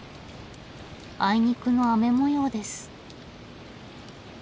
あいにくの雨もようです。